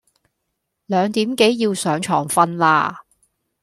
兩點幾要上床瞓啦